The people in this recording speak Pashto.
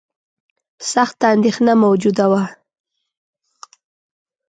سخته اندېښنه موجوده وه.